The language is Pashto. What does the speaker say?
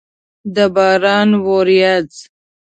د باران ورېځ!